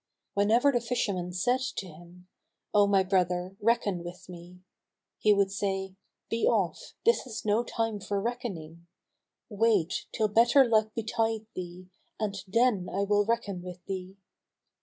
Whenever the fisherman said to him, "O my brother, reckon with me," he would say, "Be off:[FN#240] this is no time for reckoning. Wait till better luck betide thee, and then I will reckon with thee."